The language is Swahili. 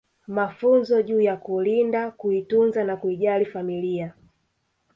Mafunzo juu ya kulinda kuitunza na kuijali familia